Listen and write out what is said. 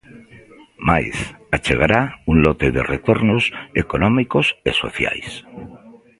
Mais achegará un lote de retornos económicos e sociais.